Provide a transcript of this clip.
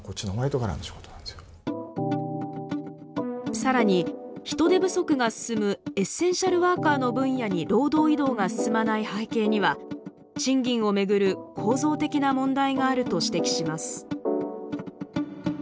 さらに、人手不足が進むエッセンシャルワーカーの分野に労働移動が進まない背景には賃金をめぐる構造的な問題があると指摘します。